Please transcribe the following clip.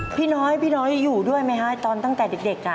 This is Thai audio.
พี่น้อยพี่น้อยอยู่ด้วยไหมฮะตอนตั้งแต่เด็ก